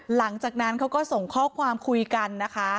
หลังจากนั้นเขาก็ส่งข้อความคุยกันนะคะ